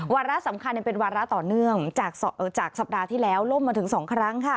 วาระสำคัญเป็นวาระต่อเนื่องจากสัปดาห์ที่แล้วล่มมาถึง๒ครั้งค่ะ